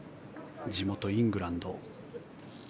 地元イングランド。